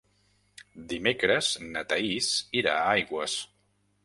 Dimecres na Thaís irà a Aigües.